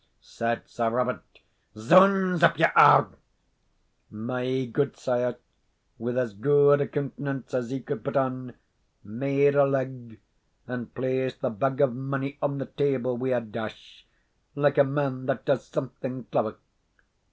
said Sir Robert. "Zounds! If you are " My gudesire, with as gude a countenance as he could put on, made a leg, and placed the bag of money on the table wi' a dash, like a man that does something clever.